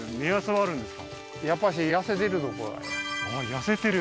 痩せてる？